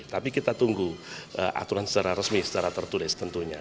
tapi kita tunggu aturan secara resmi secara tertulis tentunya